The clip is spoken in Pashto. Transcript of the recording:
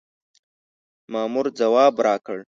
مامور ځواب راکړ.